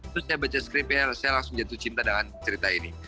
terus saya baca scripper saya langsung jatuh cinta dengan cerita ini